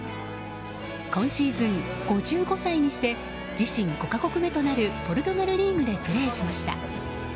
今シーズン、５５歳にして自身５か国目となるポルトガルリーグでプレーしました。